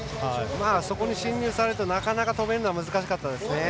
そこに進入されるとなかなか止めるのは難しかったですね。